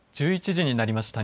１１時になりました。